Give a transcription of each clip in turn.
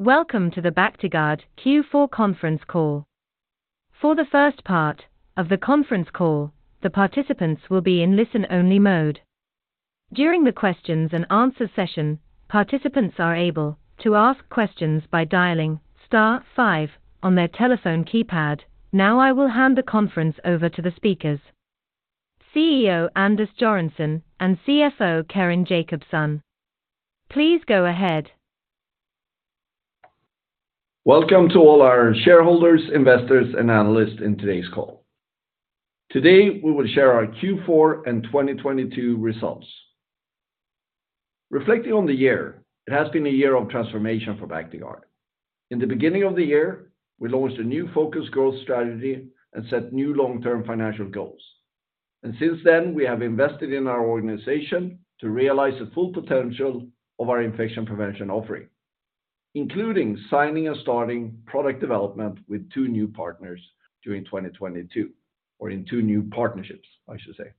Welcome to the Bactiguard Q4 Conference Call. For the first part of the conference call, the participants will be in listen only mode. During the questions and answer session, participants are able to ask questions by dialing star five on their telephone keypad. I will hand the conference over to the speakers, CEO Anders Göransson and CFO Carin Jakobson. Please go ahead. Welcome to all our shareholders, investors, and analysts in today's call. Today we will share our Q4 and 2022 results. Reflecting on the year, it has been a year of transformation for Bactiguard. In the beginning of the year, we launched a new focused growth strategy and set new long-term financial goals. Since then, we have invested in our organization to realize the full potential of our infection prevention offering, including signing and starting product development with two new partners during 2022, or in two new partnerships, I should say.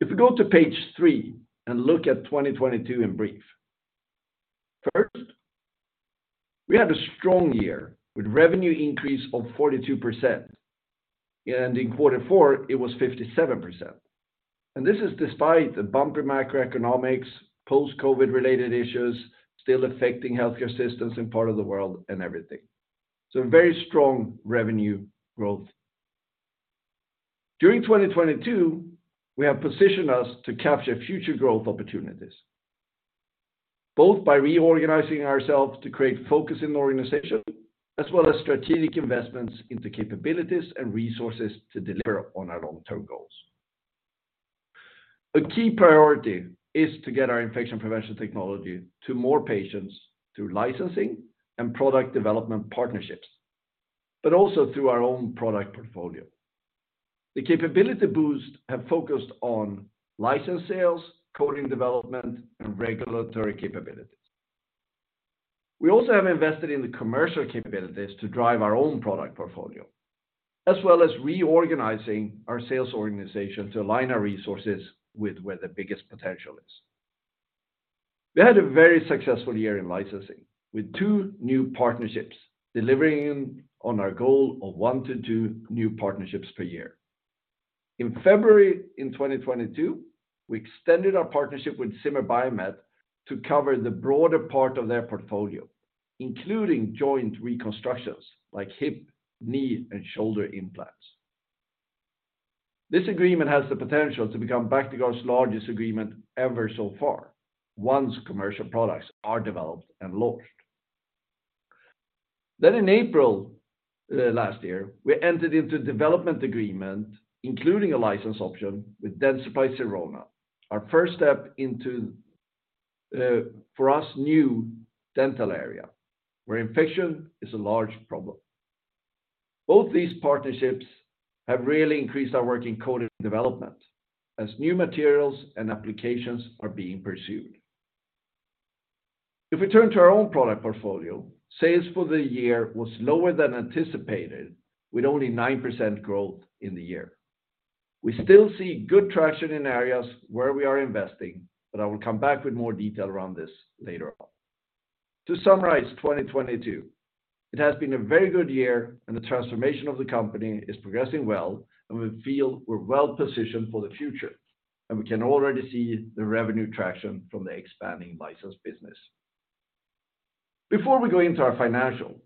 If we go to page three and look at 2022 in brief, first, we had a strong year with revenue increase of 42%, and in quarter four it was 57%. This is despite the bumper macroeconomics, post-COVID related issues still affecting healthcare systems in part of the world and everything.A very strong revenue growth. During 2022, we have positioned us to capture future growth opportunities, both by reorganizing ourselves to create focus in the organization as well as strategic investments into capabilities and resources to deliver on our long-term goals. A key priority is to get our infection prevention technology to more patients through licensing and product development partnerships, but also through our own product portfolio. The capability boost have focused on license sales, coating development, and regulatory capabilities. We also have invested in the commercial capabilities to drive our own product portfolio, as well as reorganizing our sales organization to align our resources with where the biggest potential is. We had a very successful year in licensing with two new partnerships delivering on our goal of 1-2 new partnerships per year. In February in 2022, we extended our partnership with Zimmer Biomet to cover the broader part of their portfolio, including joint reconstructions like hip, knee, and shoulder implants. This agreement has the potential to become Bactiguard's largest agreement ever so far once commercial products are developed and launched. In April last year, we entered into a development agreement including a license option with Dentsply Sirona, our first step into for us new dental area where infection is a large problem. Both these partnerships have really increased our work in coding development as new materials and applications are being pursued. If we turn to our own product portfolio, sales for the year was lower than anticipated with only 9% growth in the year. We still see good traction in areas where we are investing, but I will come back with more detail around this later on. To summarize 2022, it has been a very good year and the transformation of the company is progressing well, and we feel we're well positioned for the future, and we can already see the revenue traction from the expanding license business. Before we go into our financial,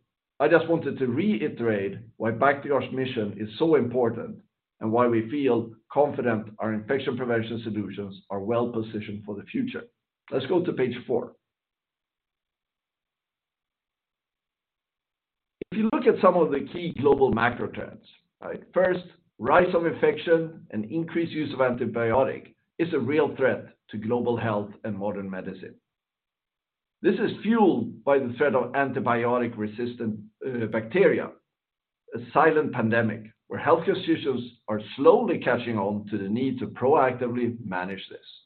I just wanted to reiterate why Bactiguard's mission is so important and why we feel confident our infection prevention solutions are well positioned for the future. Let's go to page four. If you look at some of the key global macro trends, right? First, rise of infection and increased use of antibiotic is a real threat to global health and modern medicine. This is fueled by the threat of antibiotic resistant bacteria, a silent pandemic where healthcare systems are slowly catching on to the need to proactively manage this.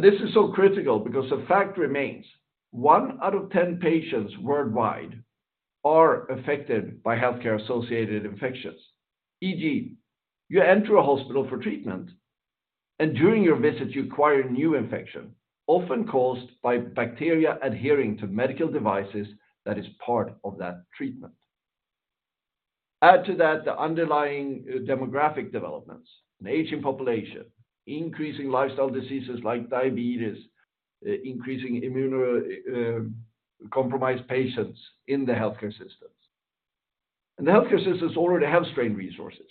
This is so critical because the fact remains one out of 10 patients worldwide are affected by healthcare associated infections. E.g., you enter a hospital for treatment, and during your visit you acquire a new infection often caused by bacteria adhering to medical devices that is part of that treatment. Add to that the underlying demographic developments, an aging population, increasing lifestyle diseases like diabetes, increasing immuno compromised patients in the healthcare systems. The healthcare systems already have strained resources,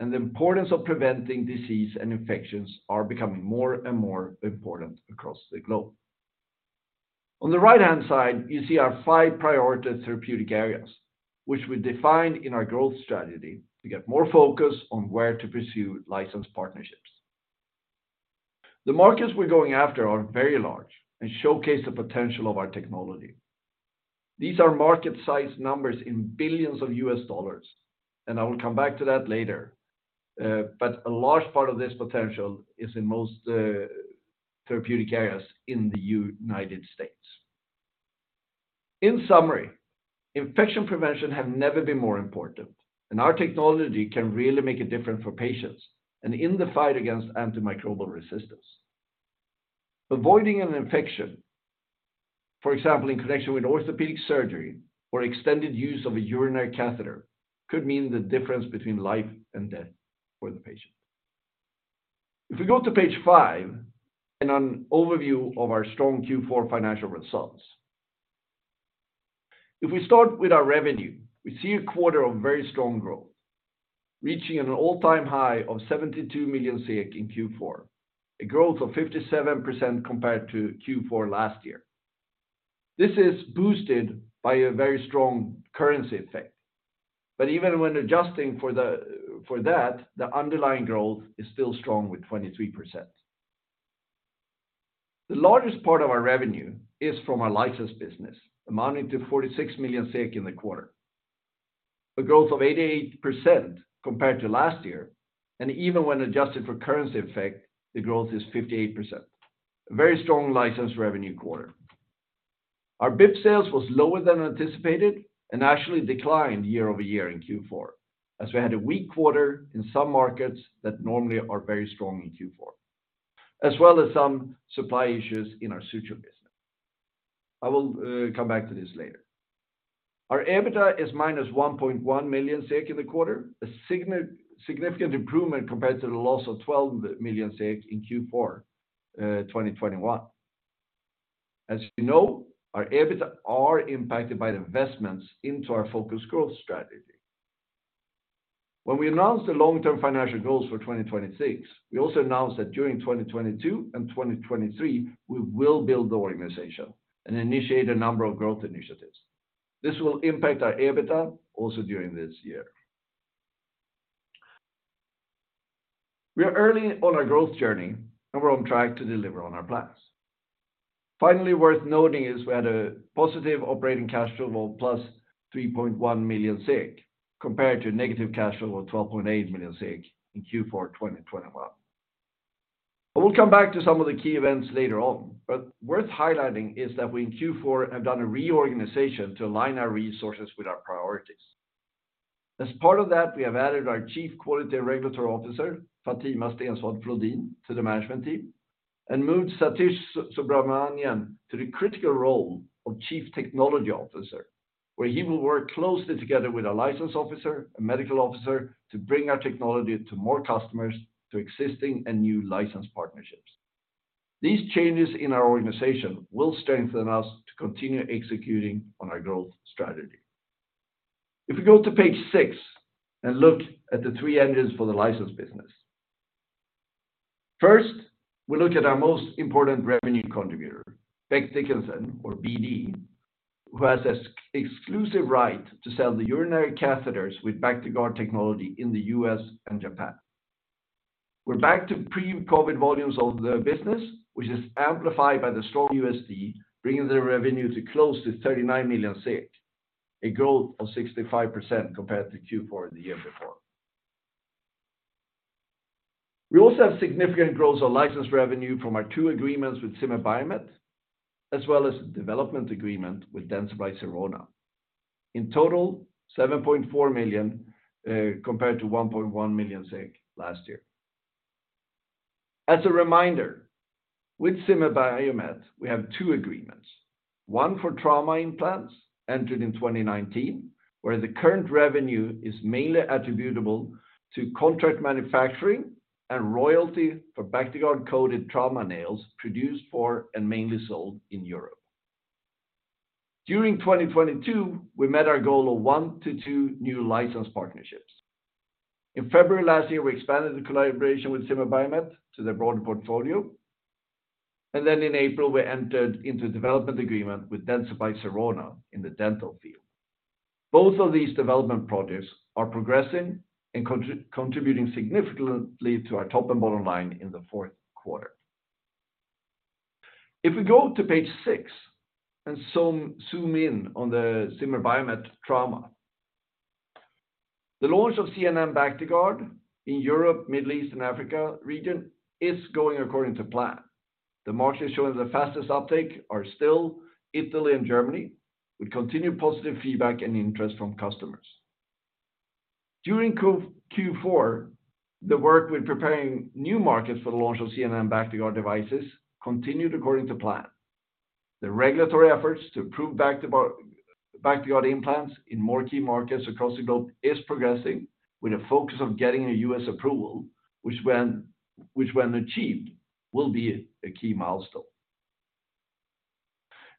and the importance of preventing disease and infections are becoming more and more important across the globe. On the right-hand side, you see our five priority therapeutic areas, which we defined in our growth strategy to get more focus on where to pursue license partnerships. The markets we're going after are very large and showcase the potential of our technology. These are market size numbers in billions of US dollars. I will come back to that later. A large part of this potential is in most therapeutic areas in the United States. In summary, infection prevention have never been more important, and our technology can really make a difference for patients and in the fight against antimicrobial resistance. Avoiding an infection, for example, in connection with orthopedic surgery or extended use of a urinary catheter, could mean the difference between life and death for the patient. If we go to page five, an overview of our strong Q4 financial results. If we start with our revenue, we see a quarter of very strong growth, reaching an all-time high of 72 million in Q4, a growth of 57% compared to Q4 last year. This is boosted by a very strong currency effect. Even when adjusting for that, the underlying growth is still strong with 23%. The largest part of our revenue is from our license business, amounting to 46 million in the quarter. A growth of 88% compared to last year, and even when adjusted for currency effect, the growth is 58%. A very strong license revenue quarter. Our BIPs sales was lower than anticipated and actually declined year-over-year in Q4, as we had a weak quarter in some markets that normally are very strong in Q4, as well as some supply issues in our suture business. I will come back to this later. Our EBITDA is minus 1.1 million in the quarter, a significant improvement compared to the loss of 12 million in Q4 2021.As you know, our EBITDA are impacted by the investments into our focused growth strategy. When we announced the long-term financial goals for 2026, we also announced that during 2022 and 2023, we will build the organization and initiate a number of growth initiatives. This will impact our EBITDA also during this year. We are early on our growth journey, and we're on track to deliver on our plans. Finally worth noting is we had a positive operating cash flow of +3.1 million compared to negative cash flow of 12.8 million in Q4 2021. Worth highlighting is that we in Q4 have done a reorganization to align our resources with our priorities. As part of that, we have added our Chief Quality & Regulatory Officer, Fatima Stensvad Flodin, to the management team, and moved Sathish Subramaniam to the critical role of Chief Technology Officer, where he will work closely together with our license officer and medical officer to bring our technology to more customers through existing and new license partnerships. These changes in our organization will strengthen us to continue executing on our growth strategy. If you go to page six and look at the three engines for the license business. We look at our most important revenue contributor, Becton, Dickinson, or BD, who has ex-exclusive right to sell the urinary catheters with Bactiguard technology in the U.S. and Japan. We're back to pre-COVID volumes of the business, which is amplified by the strong USD, bringing the revenue to close to 39 million, a growth of 65% compared to Q4 the year before. We also have significant growth on license revenue from our two agreements with Zimmer Biomet, as well as a development agreement with Dentsply Sirona. In total, 7.4 million compared to 1.1 million last year. As a reminder, with Zimmer Biomet, we have two agreements. One for trauma implants entered in 2019, where the current revenue is mainly attributable to contract manufacturing and royalty for Bactiguard-coated trauma nails produced for and mainly sold in Europe. During 2022, we met our goal of 1-2 new license partnerships. In February last year, we expanded the collaboration with Zimmer Biomet to their broader portfolio.In April, we entered into a development agreement with Dentsply Sirona in the dental field. Both of these development projects are progressing and contributing significantly to our top and bottom line in Q4. If we go to page 6 and zoom in on the Zimmer Biomet trauma. The launch of ZNN Bactiguard in Europe, Middle East, and Africa region is going according to plan. The markets showing the fastest uptake are still Italy and Germany, with continued positive feedback and interest from customers. During Q4, the work with preparing new markets for the launch of ZNN Bactiguard devices continued according to plan. The regulatory efforts to approve Bactiguard implants in more key markets across the globe is progressing with a focus on getting a US approval, which when achieved, will be a key milestone.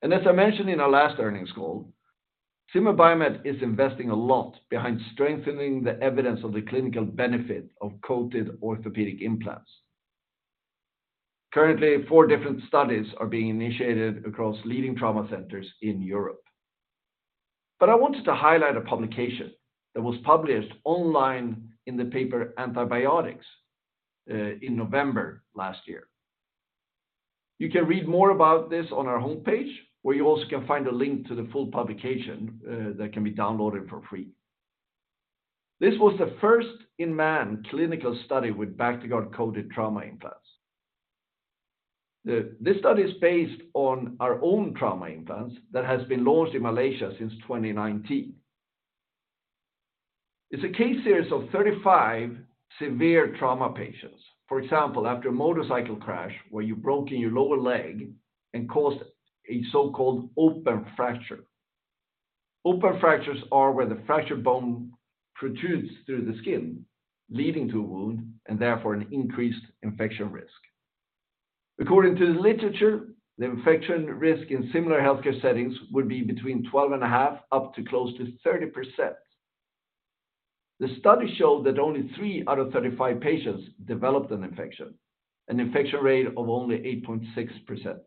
As I mentioned in our last earnings call, Zimmer Biomet is investing a lot behind strengthening the evidence of the clinical benefit of coated orthopedic implants. Currently, four different studies are being initiated across leading trauma centers in Europe. I wanted to highlight a publication that was published online in the paper Antibiotics in November last year. You can read more about this on our homepage, where you also can find a link to the full publication that can be downloaded for free. This was the first in-man clinical study with Bactiguard-coated trauma implants. This study is based on our own trauma implants that has been launched in Malaysia since 2019. It's a case series of 35 severe trauma patients. For example, after a motorcycle crash where you've broken your lower leg and caused a so-called open fracture. Open fractures are where the fractured bone protrudes through the skin, leading to a wound, and therefore an increased infection risk. According to the literature, the infection risk in similar healthcare settings would be between 12.5% up to close to 30%. The study showed that only three out of 35 patients developed an infection, an infection rate of only 8.6%.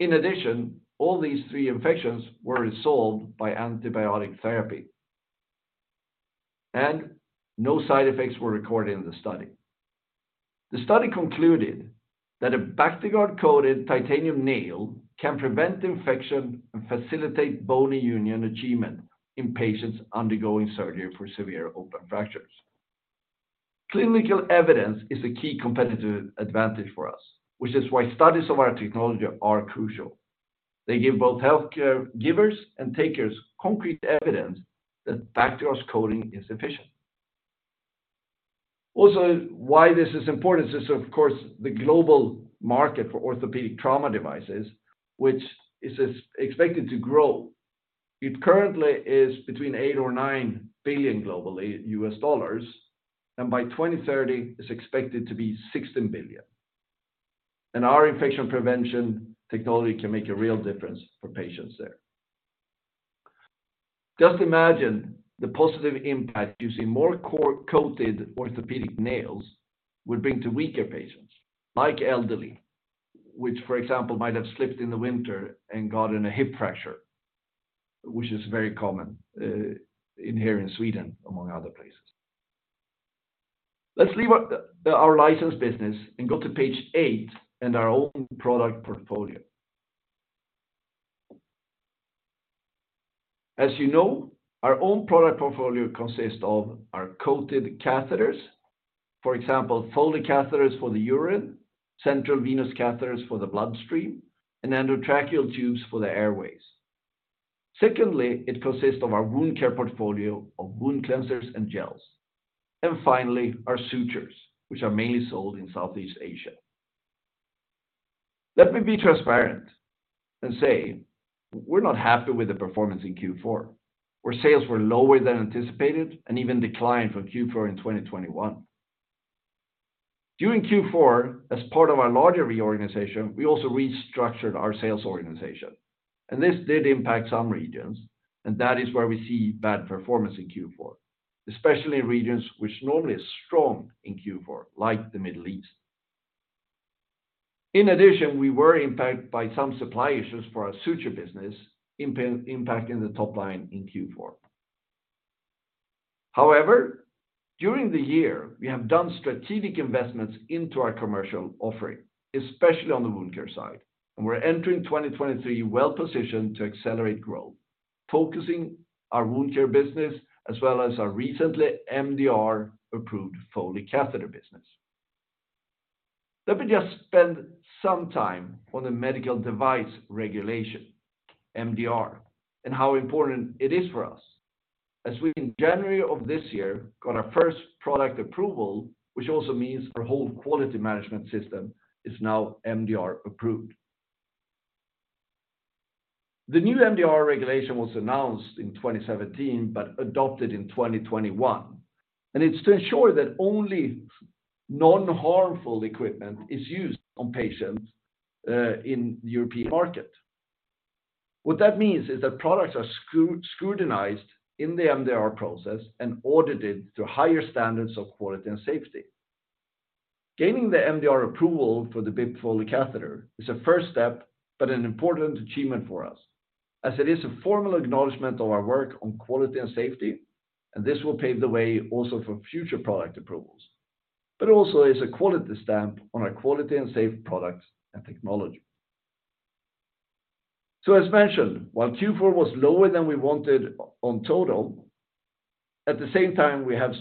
In addition, all these three infections were resolved by antibiotic therapy, and no side effects were recorded in the study. The study concluded that a Bactiguard-coated titanium nail can prevent infection and facilitate bone union achievement in patients undergoing surgery for severe open fractures. Clinical evidence is a key competitive advantage for us, which is why studies of our technology are crucial. They give both healthcare givers and takers concrete evidence that Bactiguard's coating is efficient. Why this is important is, of course, the global market for orthopedic trauma devices, which is expected to grow. It currently is between $8 billion-$9 billion globally, and by 2030, it's expected to be $16 billion. Our infection prevention technology can make a real difference for patients there. Just imagine the positive impact using more coated orthopedic nails would bring to weaker patients, like elderly, which for example might have slipped in the winter and gotten a hip fracture, which is very common in here in Sweden, among other places. Let's leave our license business and go to page eight and our own product portfolio. As you know, our own product portfolio consists of our coated catheters, for example, Foley catheters for the urine, central venous catheters for the bloodstream, and endotracheal tubes for the airways. Secondly, it consists of our wound care portfolio of wound cleansers and gels. Finally, our sutures, which are mainly sold in Southeast Asia. Let me be transparent and say we're not happy with the performance in Q4, where sales were lower than anticipated and even declined from Q4 in 2021. During Q4, as part of our larger reorganization, we also restructured our sales organization, and this did impact some regions, and that is where we see bad performance in Q4, especially in regions which normally are strong in Q4, like the Middle East. In addition, we were impacted by some supply issues for our suture business, impacting the top line in Q4. However, during the year, we have done strategic investments into our commercial offering, especially on the wound care side. We're entering 2023 well-positioned to accelerate growth, focusing our wound care business as well as our recently MDR-approved Foley Catheter business. Let me just spend some time on the Medical Device Regulation, MDR, and how important it is for us, as we in January of this year got our first product approval, which also means our whole quality management system is now MDR-approved. The new MDR regulation was announced in 2017 but adopted in 2021, and it's to ensure that only non-harmful equipment is used on patients in the European market. What that means is that products are scrutinized in the MDR process and audited to higher standards of quality and safety. Gaining the MDR approval for the BIP Foley Catheter is a first step, an important achievement for us, as it is a formal acknowledgement of our work on quality and safety. This will pave the way also for future product approvals. Also is a quality stamp on our quality and safe products and technology. As mentioned, while Q4 was lower than we wanted on total, at the same time, we have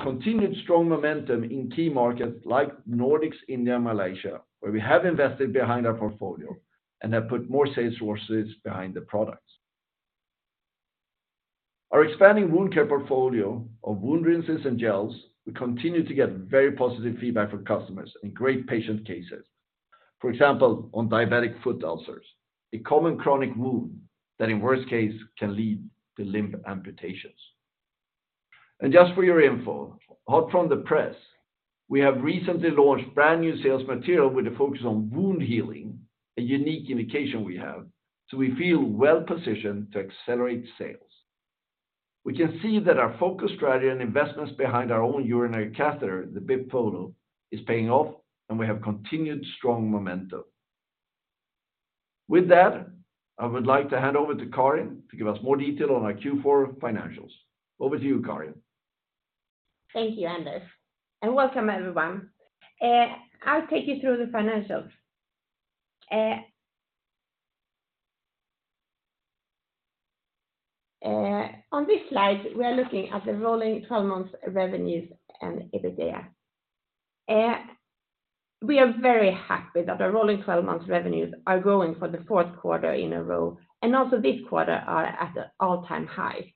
continued strong momentum in key markets like Nordics, India, and Malaysia, where we have invested behind our portfolio and have put more sales forces behind the products. Our expanding wound care portfolio of wound cleansers and gels, we continue to get very positive feedback from customers and great patient cases. For example, on diabetic foot ulcers, a common chronic wound that in worst case can lead to limb amputations. Just for your info, hot from the press, we have recently launched brand-new sales material with a focus on wound healing, a unique indication we have, so we feel well-positioned to accelerate sales. We can see that our focus strategy and investments behind our own urinary catheter, the BIP Foley, is paying off, and we have continued strong momentum. With that, I would like to hand over to Carin to give us more detail on our Q4 financials. Over to you, Carin. Thank you, Anders, and welcome everyone. I'll take you through the financials. On this slide, we are looking at the rolling 12 months revenues and EBITDA. We are very happy that our rolling 12 months revenues are growing for the fourth quarter in a row, and also this quarter are at an all-time high.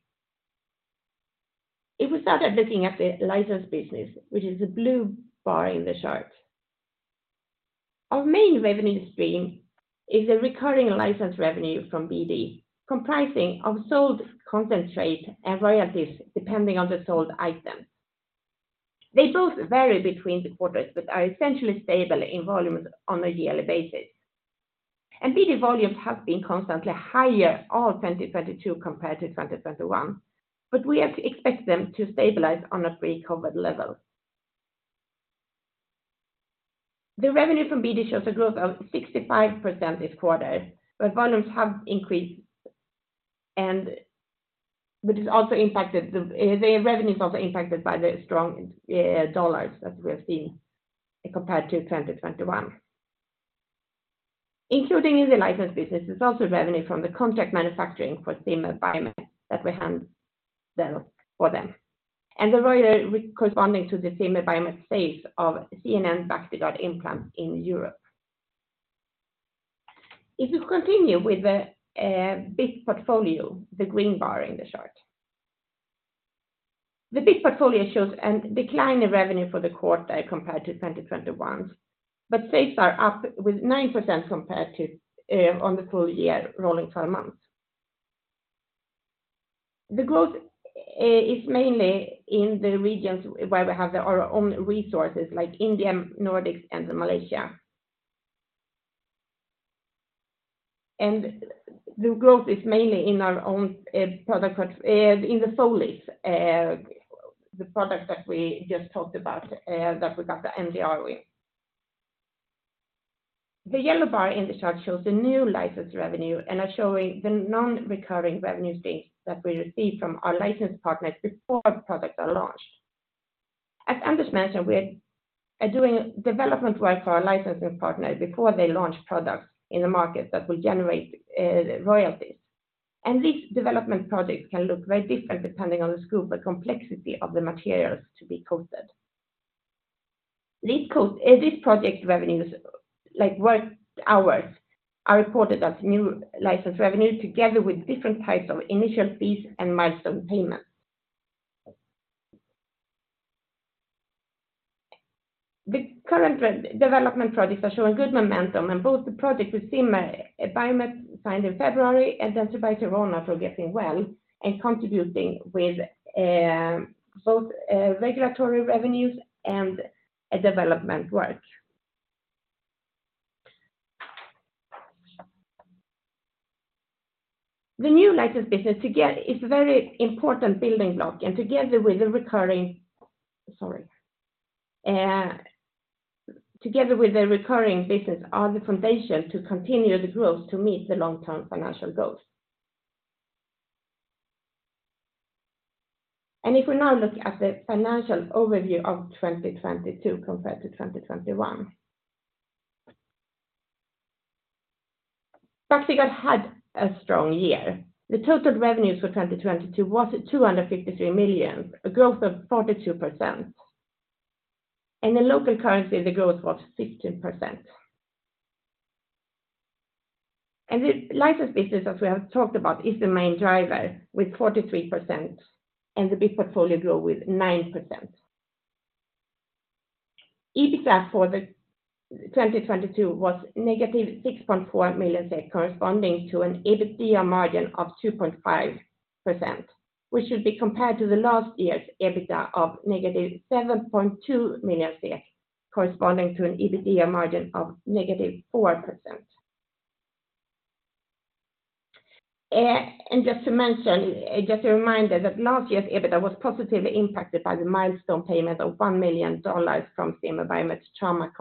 If we started looking at the license business, which is the blue bar in the chart. Our main revenue stream is a recurring license revenue from BD, comprising of sold concentrates and royalties depending on the sold items. They both vary between the quarters, but are essentially stable in volume on a yearly basis. BD volumes have been constantly higher all 2022 compared to 2021, but we have to expect them to stabilize on a pre-COVID level. The revenue from BD shows a growth of 65% this quarter, volumes have increased, the revenue is also impacted by the strong dollars that we have seen compared to 2021. Including in the license business is also revenue from the contract manufacturing for Zimmer Biomet that we handle for them. The royalty corresponding to the Zimmer Biomet space of ZNN Bactiguard Implant in Europe. If you continue with the BIP portfolio, the green bar in the chart. The BIP portfolio shows a decline in revenue for the quarter compared to 2021, sales are up with 9% compared to on the full year rolling 12 months. The growth is mainly in the regions where we have our own resources, like India, Nordics, and Malaysia. The growth is mainly in our own product, in the Foley, the product that we just talked about, that we got the MDR with. The yellow bar in the chart shows the new license revenue and are showing the non-recurring revenue stage that we receive from our license partners before products are launched. Anders mentioned, we are doing development work for our licensing partner before they launch products in the market that will generate royalties. These development projects can look very different depending on the scope and complexity of the materials to be coated. These project revenues, like work hours, are reported as new license revenue together with different types of initial fees and milestone payments. The current development projects are showing good momentum in both the project with Zimmer Biomet signed in February and then to Dentsply Sirona for getting well and contributing with both regulatory revenues and development work. The new license business together is a very important building block, together with the recurring business are the foundation to continue the growth to meet the long-term financial goals. If we now look at the financial overview of 2022 compared to 2021. Bactiguard had a strong year. The total revenues for 2022 was 253 million, a growth of 42%. In the local currency, the growth was 16%. The license business, as we have talked about, is the main driver with 43%, and the BIP portfolio grow with 9%. EBITDA for 2022 was negative 6.4 million, corresponding to an EBITDA margin of 2.5%, which should be compared to last year's EBITDA of negative 7.2 million, corresponding to an EBITDA margin of -4%. Just to mention, just a reminder that last year's EBITDA was positively impacted by the milestone payment of $1 million from Zimmer Biomet trauma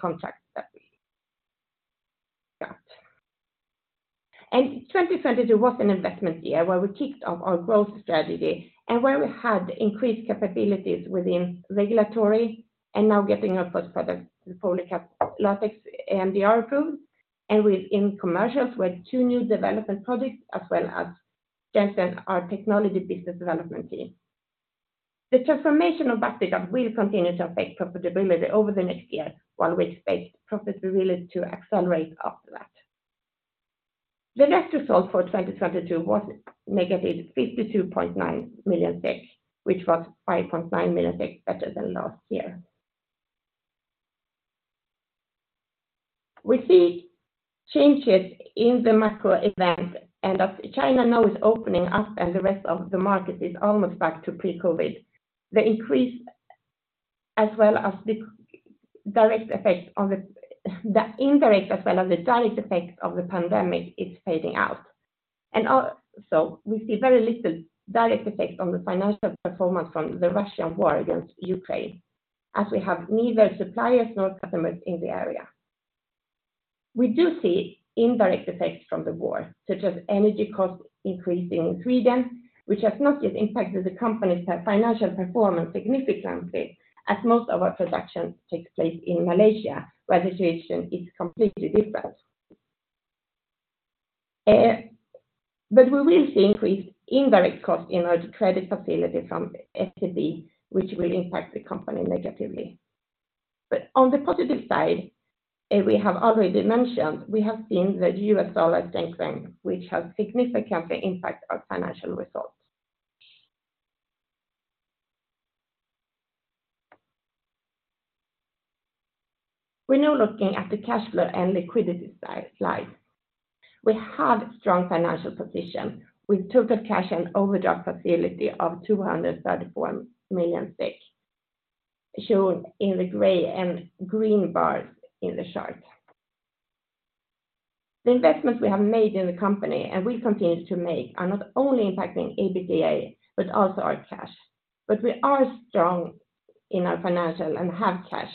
contract that we got. 2022 was an investment year where we kicked off our growth strategy and where we had increased capabilities within regulatory and now getting our first product, the Foley catheter, MDR approved. Within commercials, we had two new development projects as well as strengthen our technology business development team. The transformation of Bactiguard will continue to affect profitability over the next year, while we expect profitability to accelerate after that. The net result for 2022 was negative 52.9 million, which was 5.9 million better than last year. We see changes in the macro events, and as China now is opening up and the rest of the market is almost back to pre-COVID, the increase as well as the indirect as well as the direct effect of the pandemic is fading out. Also, we see very little direct effect on the financial performance from the Russian war against Ukraine, as we have neither suppliers nor customers in the area. We do see indirect effects from the war, such as energy costs increasing in Sweden, which has not yet impacted the company's financial performance significantly, as most of our production takes place in Malaysia, where the situation is completely different. We will see increased indirect cost in our credit facility from SEB, which will impact the company negatively. On the positive side, we have already mentioned, we have seen the US dollar strengthen, which has significantly impact our financial results. We're now looking at the cash flow and liquidity slide. We have strong financial position with total cash and overdraft facility of 231 million, shown in the gray and green bars in the chart. The investments we have made in the company, and we continue to make, are not only impacting EBITDA, but also our cash. We are strong in our financial and have cash,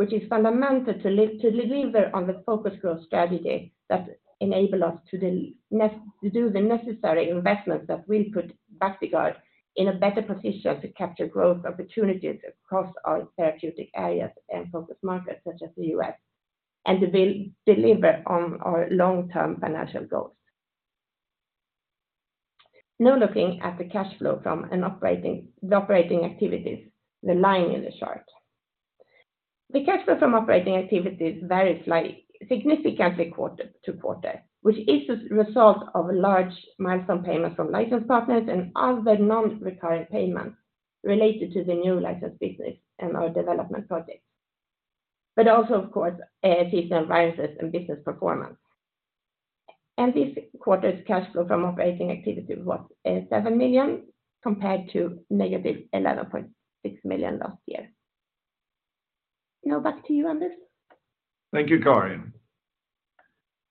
which is fundamental to deliver on the focused growth strategy that enable us to do the necessary investments that will put Bactiguard in a better position to capture growth opportunities across our therapeutic areas and focus markets such as the U.S., and to deliver on our long-term financial goals. Now looking at the cash flow from the operating activities, the line in the chart. The cash flow from operating activities varies like significantly quarter to quarter, which is a result of large milestone payments from license partners and other non-recurring payments related to the new license business and our development projects. Also, of course, seasonal variances in business performance. This quarter's cash flow from operating activity was 7 million compared to negative 11.6 million last year. Now back to you, Anders. Thank you, Carin.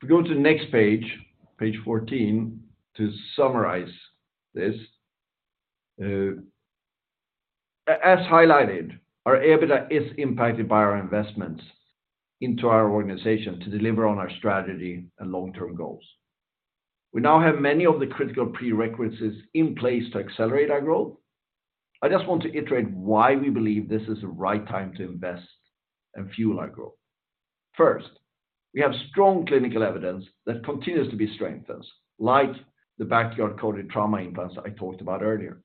If we go to the next page 14, to summarize this. As highlighted, our EBITDA is impacted by our investments into our organization to deliver on our strategy and long-term goals. We now have many of the critical prerequisites in place to accelerate our growth. I just want to iterate why we believe this is the right time to invest and fuel our growth. First, we have strong clinical evidence that continues to be strengthened, like the Bactiguard-coated trauma implants I talked about earlier.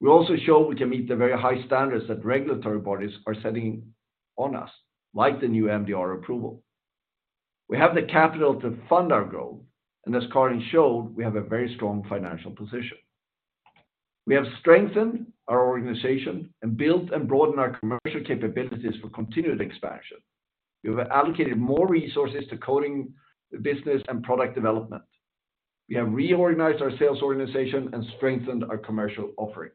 We also show we can meet the very high standards that regulatory bodies are setting on us, like the new MDR approval. We have the capital to fund our growth. As Carin showed, we have a very strong financial position. We have strengthened our organization and built and broadened our commercial capabilities for continued expansion. We have allocated more resources to coating business and product development. We have reorganized our sales organization and strengthened our commercial offering.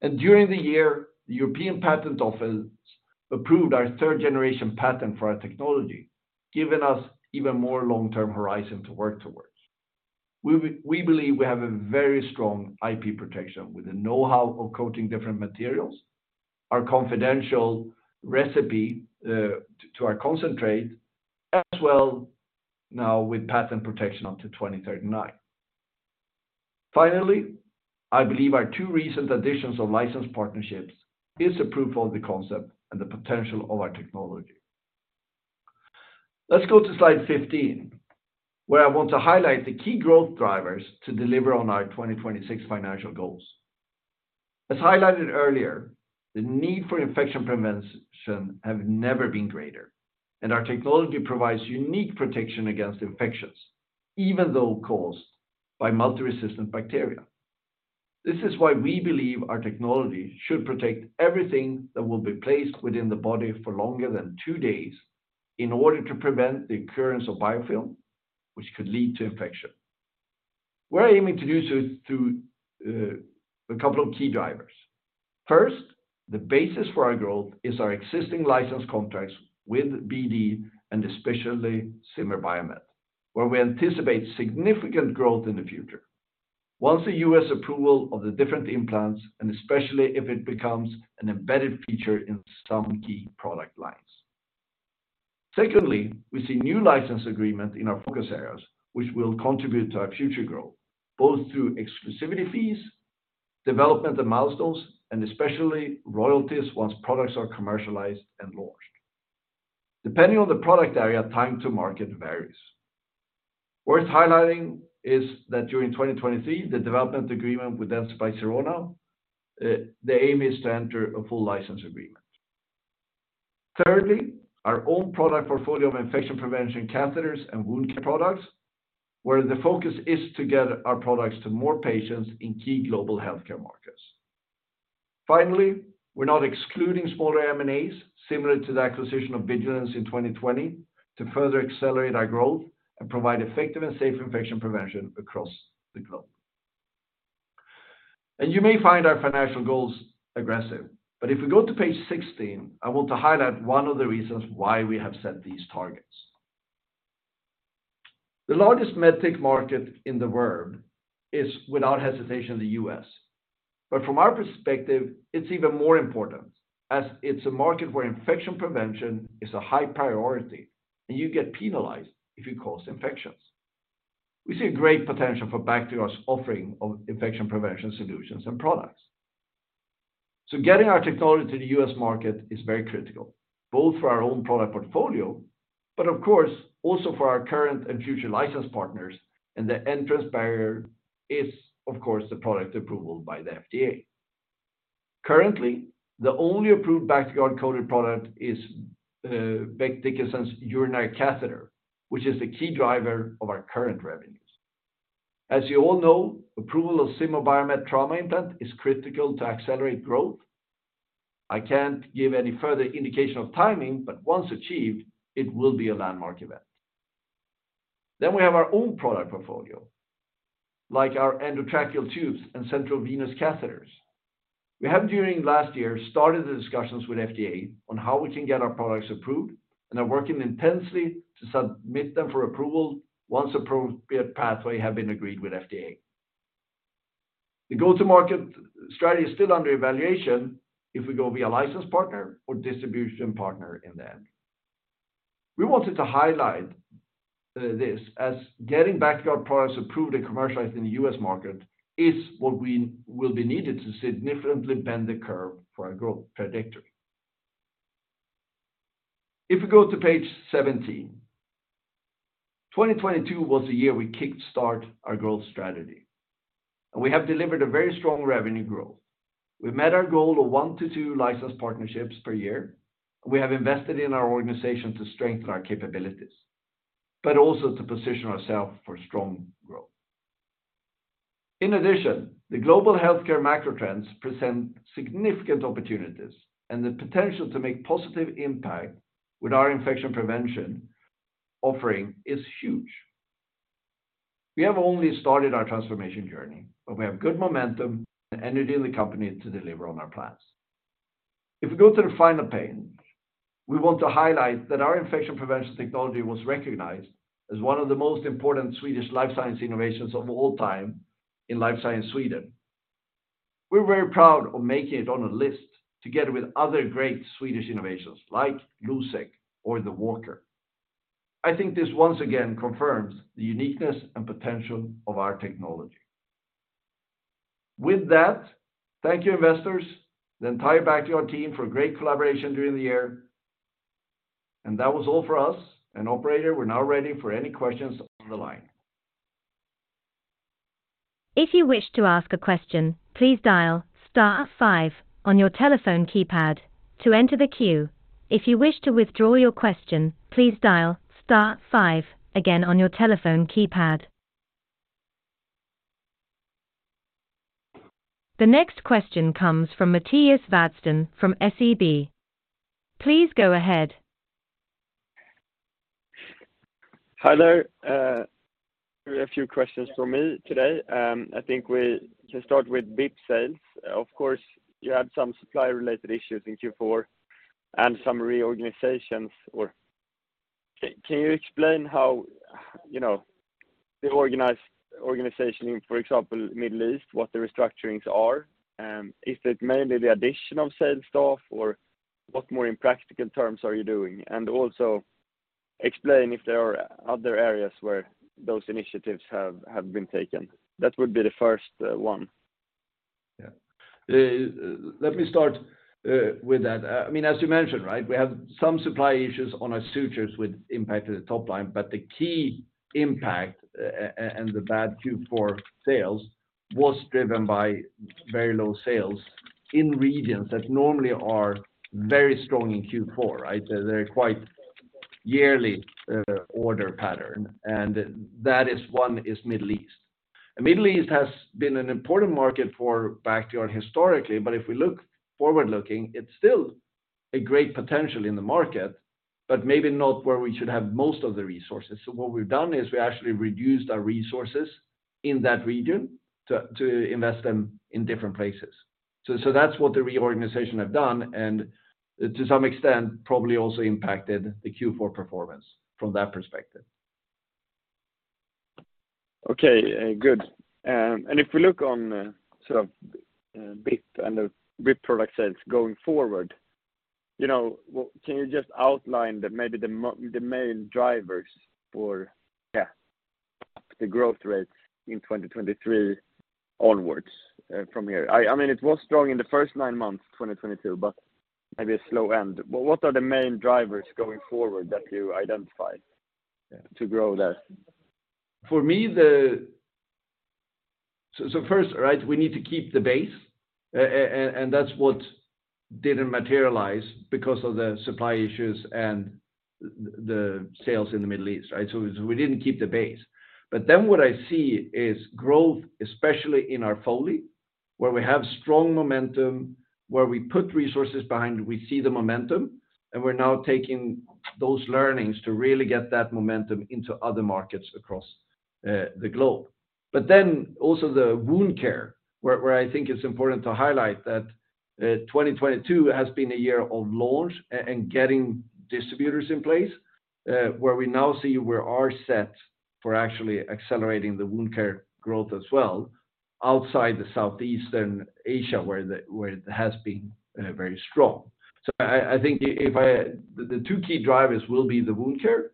During the year, the European Patent Office approved our third generation patent for our technology, giving us even more long-term horizon to work towards. We believe we have a very strong IP protection with the know-how of coating different materials, our confidential recipe to our concentrate, as well now with patent protection until 2039. Finally, I believe our two recent additions of license partnerships is a proof of the concept and the potential of our technology. Let's go to slide 15, where I want to highlight the key growth drivers to deliver on our 2026 financial goals. As highlighted earlier, the need for infection prevention have never been greater, and our technology provides unique protection against infections, even though caused by multi-resistant bacteria. This is why we believe our technology should protect everything that will be placed within the body for longer than two days in order to prevent the occurrence of biofilm, which could lead to infection. We are aiming to do so through a couple of key drivers. First, the basis for our growth is our existing license contracts with BD and especially Zimmer Biomet, where we anticipate significant growth in the future once the US approval of the different implants, and especially if it becomes an embedded feature in some key product lines. We see new license agreement in our focus areas, which will contribute to our future growth, both through exclusivity fees, development of milestones, and especially royalties once products are commercialized and launched. Depending on the product area, time to market varies. Worth highlighting is that during 2023, the development agreement with Dentsply Sirona, the aim is to enter a full license agreement. Our own product portfolio of infection prevention catheters and wound care products, where the focus is to get our products to more patients in key global healthcare markets. We're not excluding smaller M&As, similar to the acquisition of Vigilenz in 2020, to further accelerate our growth and provide effective and safe infection prevention across the globe. You may find our financial goals aggressive, but if we go to page 16, I want to highlight one of the reasons why we have set these targets. The largest MedTech market in the world is without hesitation the U.S. From our perspective, it's even more important, as it's a market where infection prevention is a high priority, and you get penalized if you cause infections. We see a great potential for Bactiguard's offering of infection prevention solutions and products. Getting our technology to the US market is very critical, both for our own product portfolio, but of course, also for our current and future license partners. The entrance barrier is, of course, the product approval by the FDA. Currently, the only approved Bactiguard-coated product is Becton, Dickinson urinary catheter, which is the key driver of our current revenues. As you all know, approval of ZNN Bactiguard trauma implant is critical to accelerate growth. I can't give any further indication of timing, but once achieved, it will be a landmark event. We have our own product portfolio, like our endotracheal tubes and central venous catheters. We have, during last year, started the discussions with FDA on how we can get our products approved and are working intensely to submit them for approval once appropriate pathway have been agreed with FDA. The go-to-market strategy is still under evaluation if we go via a license partner or distribution partner in the end. We wanted to highlight this as getting Bactiguard products approved and commercialized in the US market is what we will be needed to significantly bend the curve for our growth trajectory. We go to page 17. 2022 was the year we kick start our growth strategy, and we have delivered a very strong revenue growth. We've met our goal of 1-2 licensed partnerships per year. We have invested in our organization to strengthen our capabilities, but also to position ourselves for strong growth. In addition, the global healthcare macro trends present significant opportunities and the potential to make positive impact with our infection prevention offering is huge. We have only started our transformation journey, but we have good momentum and energy in the company to deliver on our plans. If we go to the final page, we want to highlight that our infection prevention technology was recognized as one of the most important Swedish life science innovations of all time in Life Science Sweden. We're very proud of making it on a list together with other great Swedish innovations like Losec or the Walker. I think this once again confirms the uniqueness and potential of our technology. With that, thank you, investors. Tie it back to our team for great collaboration during the year. That was all for us. Operator, we're now ready for any questions on the line. If you wish to ask a question, please dial star five on your telephone keypad to enter the queue. If you wish to withdraw your question, please dial star five again on your telephone keypad. The next question comes from Mattias Vadsten from SEB. Please go ahead. Hi there. A few questions from me today. I think we can start with BIP sales. Of course, you had some supplier related issues in Q4 and some reorganizations. Can you explain how, you know, the organization in, for example, Middle East, what the restructurings are? Is it mainly the addition of sales staff or what more in practical terms are you doing? Also explain if there are other areas where those initiatives have been taken. That would be the first one. Yeah. Let me start with that. I mean, as you mentioned, right, we have some supply issues on our sutures which impacted the top line, but the key impact and the bad Q4 sales was driven by very low sales in regions that normally are very strong in Q4, right? They're quite yearly order pattern, and that is one is Middle East. Middle East has been an important market for Bactiguard historically, but if we look forward-looking, it's still a great potential in the market, but maybe not where we should have most of the resources. What we've done is we actually reduced our resources in that region to invest them in different places. That's what the reorganization have done, and to some extent, probably also impacted the Q4 performance from that perspective. Okay, good. If we look on sort of, BIP and the BIP product sales going forward, you know, can you just outline the main drivers for the growth rates in 2023 onwards from here? I mean, it was strong in the first nine months, 2022, but maybe a slow end. What are the main drivers going forward that you identified to grow that? For me, so first, right, we need to keep the base and that's what didn't materialize because of the supply issues and the sales in the Middle East, right? We didn't keep the base. What I see is growth, especially in our Foley, where we have strong momentum, where we put resources behind, we see the momentum, and we're now taking those learnings to really get that momentum into other markets across the globe. Also the wound care, where I think it's important to highlight that 2022 has been a year of launch and getting distributors in place, where we now see we are set for actually accelerating the wound care growth as well outside the Southeastern Asia, where it has been very strong.I think if the two key drivers will be the wound care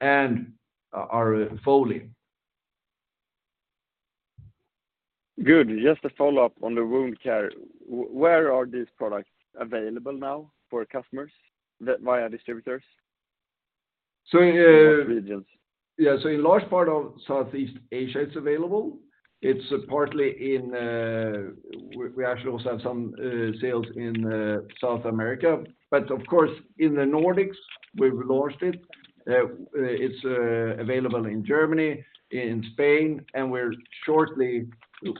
and our Foley. Good. Just a follow-up on the wound care. Where are these products available now for customers that via distributors? So, uh- What regions? Yeah. In large part of Southeast Asia, it's available. It's partly in. We actually also have some sales in South America. Of course, in the Nordics, we've launched it. It's available in Germany, in Spain, and we're shortly,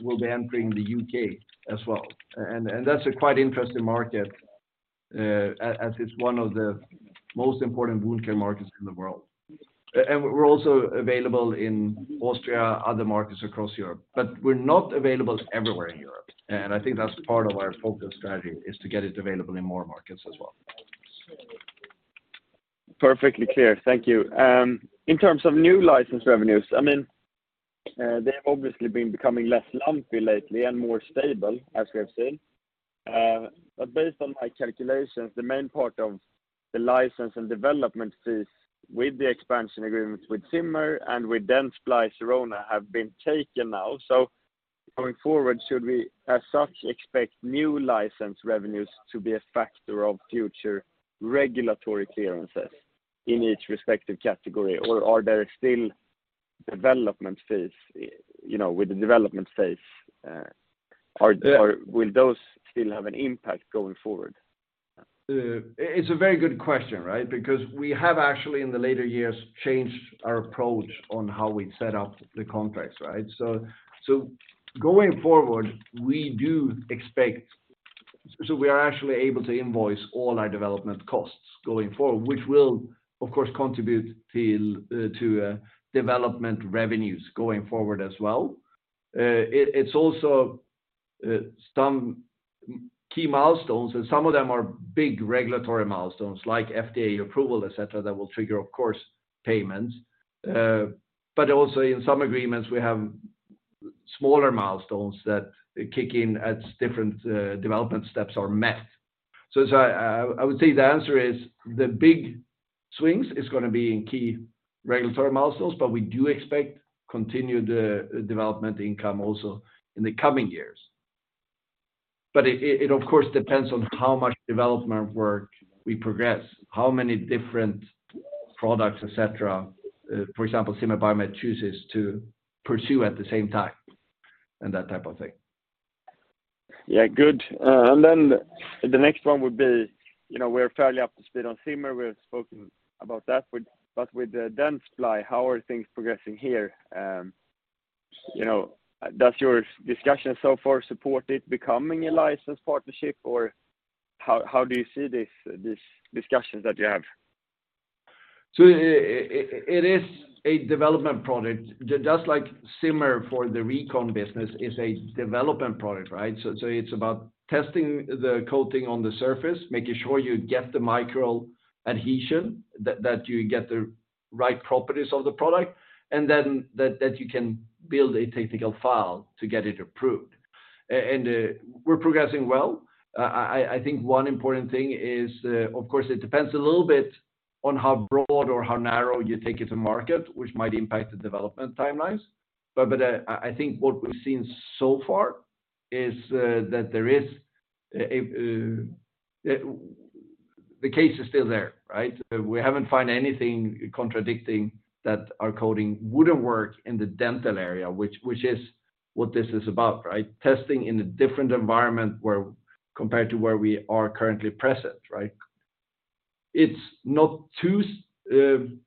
we'll be entering the U.K. as well. That's a quite interesting market, as it's one of the most important wound care markets in the world. We're also available in Austria, other markets across Europe. We're not available everywhere in Europe, and I think that's part of our focus strategy, is to get it available in more markets as well. Perfectly clear. Thank you. In terms of new license revenues, I mean, they've obviously been becoming less lumpy lately and more stable, as we have seen. Based on my calculations, the main part of the license and development fees with the expansion agreements with Zimmer and with Dentsply Sirona have been taken now. Going forward, should we, as such, expect new license revenues to be a factor of future regulatory clearances in each respective category? Are there still development phase, you know, with the development phase? The- Will those still have an impact going forward? It's a very good question, right? We have actually, in the later years, changed our approach on how we set up the contracts, right? Going forward, we do expect. We are actually able to invoice all our development costs going forward, which will, of course, contribute to development revenues going forward as well. It's also some key milestones, and some of them are big regulatory milestones like FDA approval, et cetera, that will trigger, of course, payments. Also in some agreements, we have smaller milestones that kick in as different development steps are met. As I would say the answer is the big swings is gonna be in key regulatory milestones, but we do expect continued development income also in the coming years.It, of course, depends on how much development work we progress, how many different products, et cetera, for example, Zimmer Biomet chooses to pursue at the same time, and that type of thing. Yeah, good. The next one would be, you know, we're fairly up to speed on Zimmer. We've spoken about that. With Dentsply, how are things progressing here? You know, does your discussion so far support it becoming a licensed partnership, or how do you see this discussions that you have? It is a development product. Just like Zimmer for the recon business is a development product, right? It's about testing the coating on the surface, making sure you get the micro adhesion, that you get the right properties of the product, and then that you can build a technical file to get it approved. We're progressing well. I think one important thing is, of course, it depends a little bit on how broad or how narrow you take it to market, which might impact the development timelines. I think what we've seen so far is that there is... The case is still there, right? We haven't find anything contradicting that our coating wouldn't work in the dental area, which is what this is about, right? Testing in a different environment where, compared to where we are currently present, right? It's not too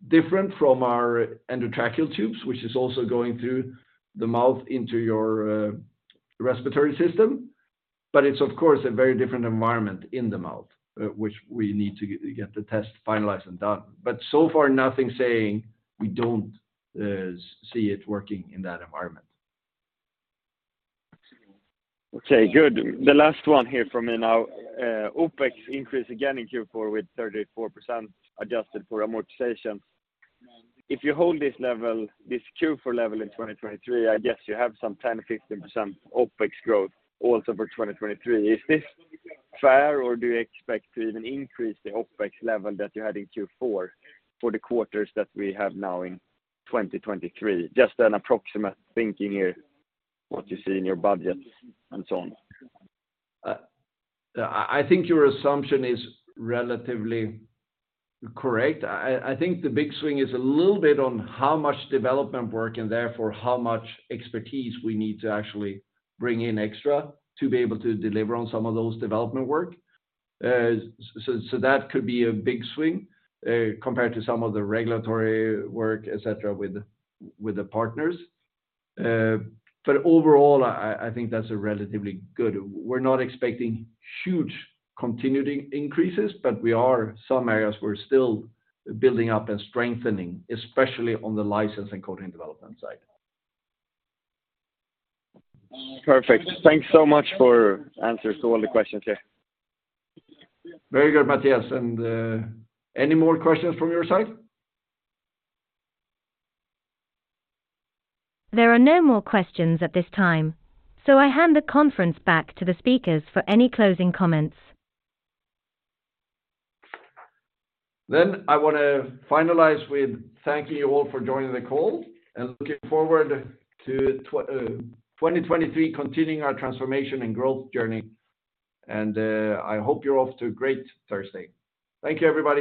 different from our endotracheal tubes, which is also going through the mouth into your respiratory system. It's, of course, a very different environment in the mouth, which we need to get the test finalized and done. So far, nothing saying we don't see it working in that environment. Okay, good. The last one here from me now. OPEX increased again in Q4 with 34%, adjusted for amortization. If you hold this level, this Q4 level in 2023, I guess you have some 10%-15% OPEX growth also for 2023. Is this fair, or do you expect to even increase the OPEX level that you had in Q4 for the quarters that we have now in 2023? Just an approximate thinking here, what you see in your budget and so on. I think your assumption is relatively correct. I think the big swing is a little bit on how much development work and therefore how much expertise we need to actually bring in extra to be able to deliver on some of those development work. That could be a big swing compared to some of the regulatory work, et cetera, with the partners. Overall, I think that's a relatively good... We're not expecting huge continued increases, but we are, some areas we're still building up and strengthening, especially on the license and coating development side. Perfect. Thanks so much for answers to all the questions here. Very good, Mattias. Any more questions from your side? There are no more questions at this time, I hand the conference back to the speakers for any closing comments. I wanna finalize with thanking you all for joining the call and looking forward to 2023, continuing our transformation and growth journey. I hope you're off to a great Thursday. Thank you, everybody.